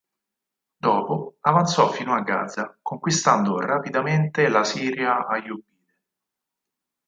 Dopo, avanzò fino a Gaza conquistando rapidamente la Siria Ayyubide.